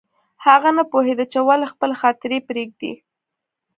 هغه نه پوهېده چې ولې خپلې خاطرې پرېږدي